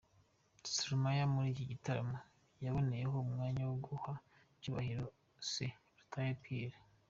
Stromae muri iki gitaramo yaboneyeho umwanya wo guha icyubahiro se, Rutare Pierre .